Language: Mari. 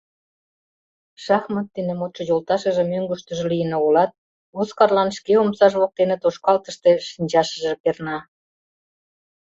Шахмат дене модшо йолташыже мӧҥгыштыжӧ лийын огылат, Оскарлан шке омсаж воктене тошкалтыште шинчашыже перна.